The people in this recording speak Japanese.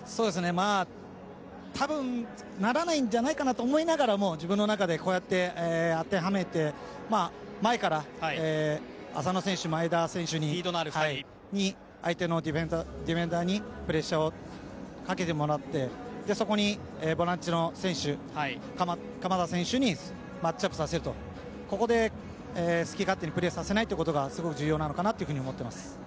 まあ、たぶんならないんじゃないかなと思いながら、自分の中でこうやって当てはめて前から浅野選手、前田選手リードのある二人に相手のディフェンダーにプレッシャーをかけてもらってそこにボランチの選手鎌田選手にマッチアップさせるとここで好き勝手にプレーさせないということがすごい重要なのかなというふうに思っています。